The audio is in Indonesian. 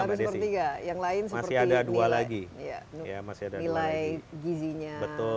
yang lain seperti nilai gizinya